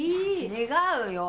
違うよ。